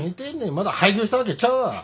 まだ廃業したわけちゃうわ！